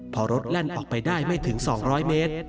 พอรถแล่นออกไปได้ไม่ถึง๒๐๐เมตร